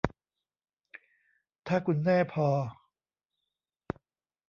ถ้าคุณแน่พอ